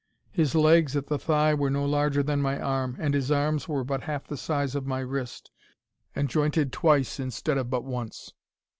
His legs at the thigh were no larger than my arm, and his arms were but half the size of my wrist, and jointed twice instead of but once.